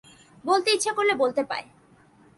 বলতে ইচ্ছা করলে বলতে পায়।